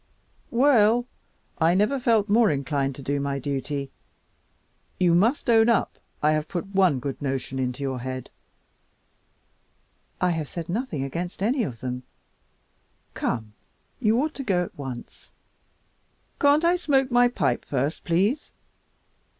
Well, I never felt more inclined to do my duty. You must own up I have put one good notion into your head?" "I have said nothing against any of them. Come, you ought to go at once." "Can't I smoke my pipe first please?"